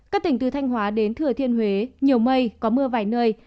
các tỉnh từ thanh hóa đến thừa thiên huế nhiều mây có mưa vài nơi